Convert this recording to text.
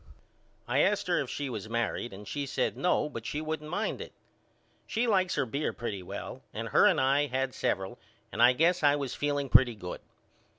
I asked her if she was married and she said No but she wouldn't mind it. She likes her beer pretty well and her and I had several and I guess I was feeling pretty good.